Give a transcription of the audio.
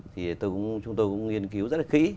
thì chúng tôi cũng nghiên cứu rất là kỹ